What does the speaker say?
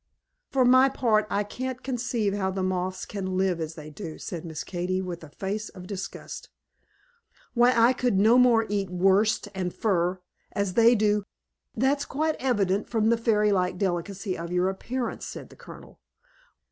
"For my part, I can't conceive how the Moths can live as they do", said Miss Katy with a face of disgust. "Why, I could no more eat worsted and fur, as they do " "That is quite evident from the fairy like delicacy of your appearance," said the Colonel.